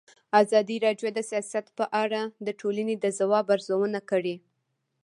ازادي راډیو د سیاست په اړه د ټولنې د ځواب ارزونه کړې.